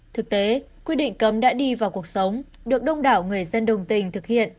thực tế quy định cấm đã đi vào cuộc sống được đông đảo người dân đồng tình thực hiện